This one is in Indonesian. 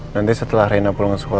nanti setelah rena pulang ke sekolah